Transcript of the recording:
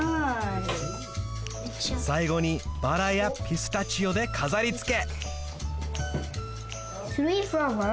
さいごにバラやピスタチオでかざりつけ！